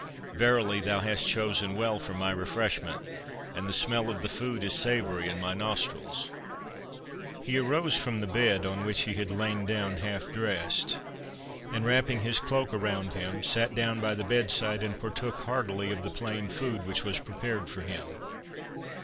Verily, thou hast chosen well for my refreshment, and the smell of the food is savoury in my nostrils." He arose from the bed, on which he had lain down half dressed, and wrapping his cloak around him, sate down by the bedside, and partook heartily of the plain food which was prepared for him.